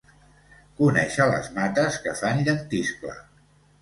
Conèixer les mates que fan llentiscle.